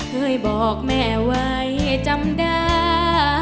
เคยบอกแม่ว่าอย่าจำได้